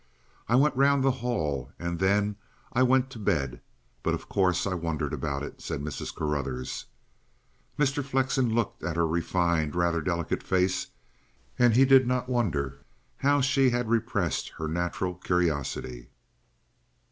I went round the hall, and then I went to bed. But, of course, I wondered about it," said Mrs. Carruthers. Mr. Flexen looked at her refined, rather delicate face, and he did not wonder how she had repressed her natural curiosity.